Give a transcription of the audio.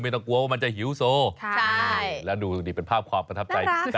ไม่ต้องกลัวว่ามันจะหิวโซใช่แล้วดูดิเป็นภาพคอประทับใจน่ารักค่ะ